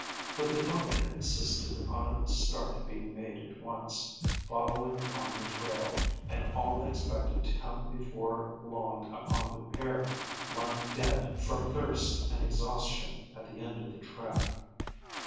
But the doctor insisted upon a start being made at once, following upon the trail, and all expected to come before long upon the pair lying dead from thirst and exhaustion at the end of the track.